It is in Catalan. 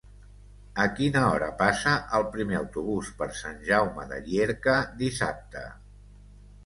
A quina hora passa el primer autobús per Sant Jaume de Llierca dissabte?